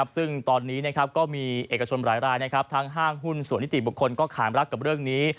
ซึ่งตอนนี้ก็มีเอกชนหลายรายทั้งห้างหุ้นส่วนนิติบุคคลก็ขามรักกับเรื่องนี้